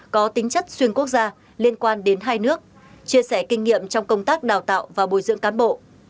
có tính chất xuyên quốc gia liên quan đến hai nước chia sẻ kinh nghiệm trong công tác đào tạo và bồi dưỡng cán bộ